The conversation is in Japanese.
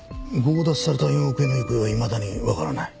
強奪された４億円の行方はいまだにわからない。